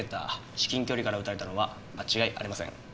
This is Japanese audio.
至近距離から撃たれたのは間違いありません。